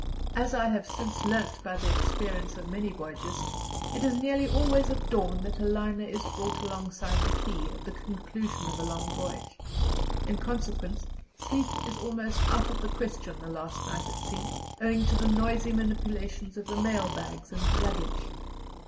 As I have since learnt by the experience of many voyages, it is nearly always at dawn that a liner is brought alongside the quay at the conclusion of a long voyage; in consequence, sleep is almost out of the question the last night at sea, owing to the noisy manipulations of the mail bags and luggage.